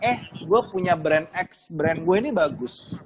eh gue punya brand x brand gue ini bagus